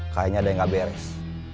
kayaknya ada yang gak beres